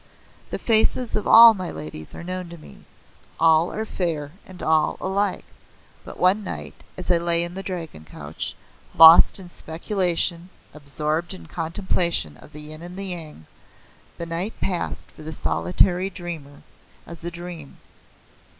The faces of all my ladies are known to me. All are fair and all alike. But one night, as I lay in the Dragon Couch, lost in speculation, absorbed in contemplation of the Yin and the Yang, the night passed for the solitary dreamer as a dream.